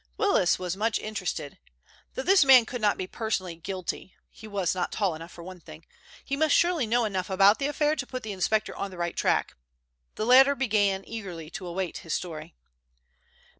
Willis was much interested. Though this man could not be personally guilty—he was not tall enough, for one thing—he must surely know enough about the affair to put the inspector on the right track. The latter began eagerly to await his story.